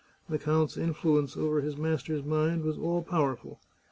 The count's influence over his master's mind was all powerful.